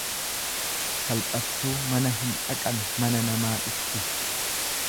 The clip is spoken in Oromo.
Salphattuu mana hin dhaqan mana namaa dhufti.